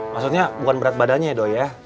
maksudnya bukan berat badannya doi ya